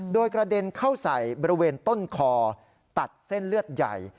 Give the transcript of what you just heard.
โดยกระเด็นเข้าใส่บริเวณต้นคอตัดเส้นเลือดใหญ่